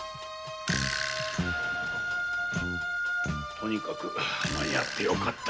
とにかく間に合ってよかった。